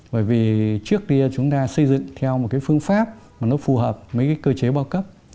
bởi vì trước kia chúng ta xây dựng theo một cái phương pháp mà nó phù hợp với cái cơ chế bao cấp